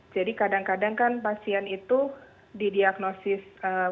jadi kadang kadang kan pasien itu didiagnosis